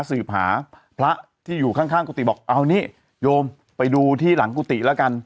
สืบหาพระที่อยู่ข้างกุฏิบอกเอานี่โยมไปดูที่หลังกุฏิแล้วกัน